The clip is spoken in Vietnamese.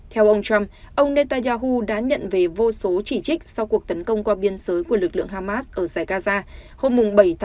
theo ông trump ông netanyahu đã nhận về vô số chỉ trích sau cuộc tấn công qua biên giới của lực lượng hamas ở dãy gaza hôm bảy một mươi hai nghìn hai mươi ba